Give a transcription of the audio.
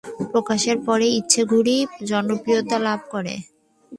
প্রকাশের পরে, "ইচ্ছে ঘুড়ি" জনপ্রিয়তা লাভ করে।